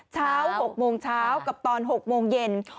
เช้า๖โมงเช้ากับตอน๖โมงเย็น